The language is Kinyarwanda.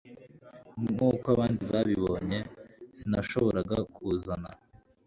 Nkuko abandi babibonye Sinashoboraga kuzana